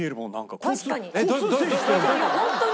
ホントに。